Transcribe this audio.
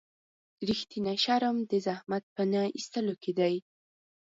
رښتینی شرم د زحمت په نه ایستلو کې دی.